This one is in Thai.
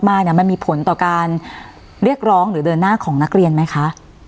มาเนี่ยมันมีผลต่อการเรียกร้องหรือเดินหน้าของนักเรียนไหมคะ